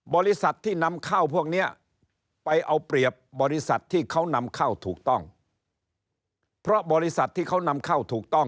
บริษัทที่นำเข้าพวกนี้ไปเอาเปรียบบริษัทที่เขานำเข้าถูกต้องเพราะบริษัทที่เขานำเข้าถูกต้อง